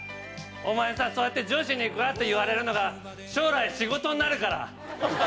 お前さそうやって女子にガーッて言われるのが将来仕事になるから。